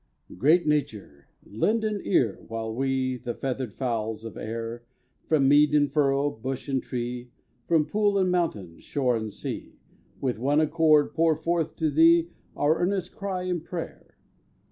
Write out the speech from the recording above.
Great Nature, lend an ear while we, The feathered fowls of air, From mead and furrow, bush and tree, From pool and mountain, shore and sea, With one accord pour forth to thee Our earnest cry and prayer.